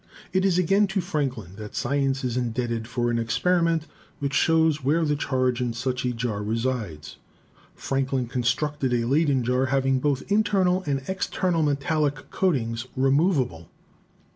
It is again to Franklin that science is indebted for an experiment which shows where the charge in such a jar resides. Franklin constructed a Leyden jar having both internal and external metallic coatings removable.